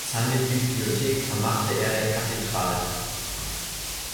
Seine Bibliothek vermachte er der Kathedrale.